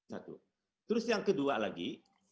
satu terus yang kedua lagi